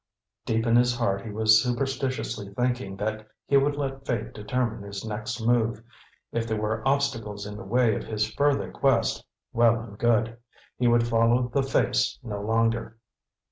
Deep in his heart he was superstitiously thinking that he would let fate determine his next move; if there were obstacles in the way of his further quest, well and good; he would follow the Face no longer.